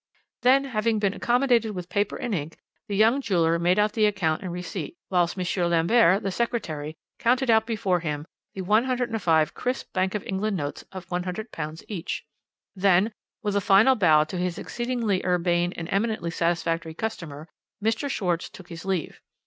Then, having been accommodated with paper and ink, the young jeweller made out the account and receipt, whilst M. Lambert, the secretary, counted out before him 105 crisp Bank of England notes of £100 each. Then, with a final bow to his exceedingly urbane and eminently satisfactory customer, Mr. Schwarz took his leave.